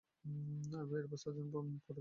এরপর সার্জেন্ট পদবী ধারণ করেন।